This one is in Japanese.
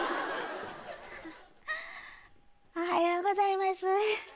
おはようございます。